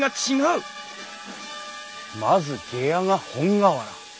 まず下屋が本瓦。